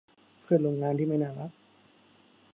เพื่อนร่วมงานที่ไม่น่ารัก